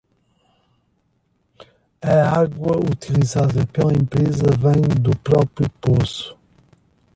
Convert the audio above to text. A água utilizada pela empresa vem do próprio poço.